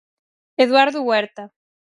Eduardo Huerta.